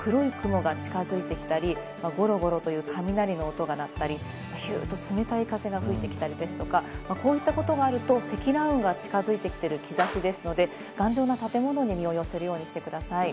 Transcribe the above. そして天気急変の前ぶれとして、黒い雲が近づいてきたり、ゴロゴロという雷の音が鳴ったり、ピュっと冷たい風が吹いて来たりですとか、こういうことがあると積乱雲が近づいてきている印ですので、頑丈な建物に身を寄せるようにしてください。